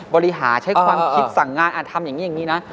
บริหารใช้ความคิดสั่งงานทำอย่างนี้อย่างนี้นะ